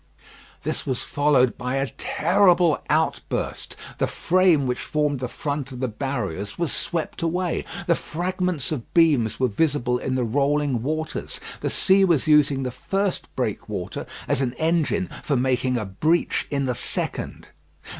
This was followed by a terrible outburst. The frame which formed the front of the barriers was swept away. The fragments of beams were visible in the rolling waters. The sea was using the first breakwater as an engine for making a breach in the second.